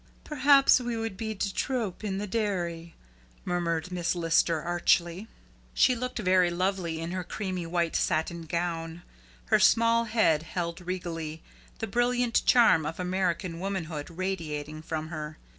"Perhaps we would be DE TROP in the dairy," murmured Miss Lister archly. She looked very lovely in her creamy white satin gown, her small head held regally, the brilliant charm of American womanhood radiating from her.